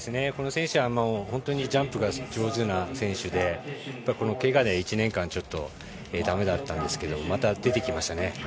この選手は本当にジャンプが得意な選手でけがで１年間だめだったんですけどまた出てきましたね。